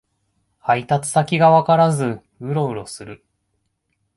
配達先がわからずウロウロする